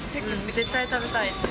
絶対食べたいって。